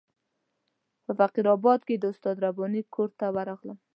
په فقیر آباد کې د استاد رباني کور ته ورغلم.